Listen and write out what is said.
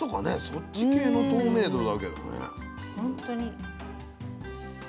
そっち系の透明度だけどね。